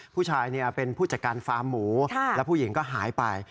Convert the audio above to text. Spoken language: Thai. ผู้ชายเป็นผู้จัดการฟาร์มหมูแล้วผู้หญิงก็หายไป